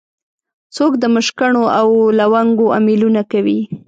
څوک د مشکڼو او لونګو امېلونه کوي